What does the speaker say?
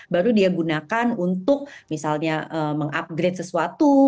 baru dia gunakan untuk misalnya mengupgrade sesuatu